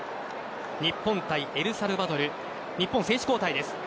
日本対エルサルバドル日本、選手交代です。